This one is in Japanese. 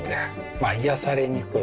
まあ癒やされに来る。